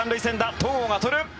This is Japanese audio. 戸郷がとる。